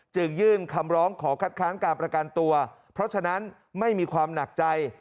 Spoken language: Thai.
จึงยื่นคำร้องขอคัดค้านการประกันตัวเพราะฉะนั้นไม่มีความหนักใจ